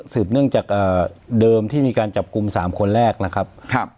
สืบเนื่องจากเอ่อเดิมที่มีการจับกุมสามคนแรกนะครับครับ